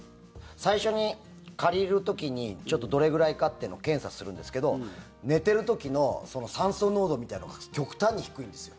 最初に借りる時にどれぐらいかってのを検査するんですけど寝てる時の酸素濃度みたいなのが極端に低いんですよ。